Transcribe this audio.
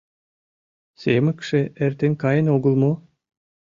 — Семыкше эртен каен огыл мо?